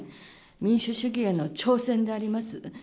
民主主義への挑戦であります。